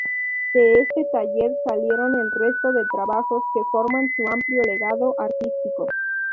De este taller salieron el resto de trabajos que forman su amplio legado artístico.